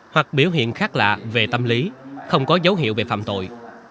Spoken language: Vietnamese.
hoặc biểu hiện khác lạ về tâm lý không có dấu hiệu về phạm tội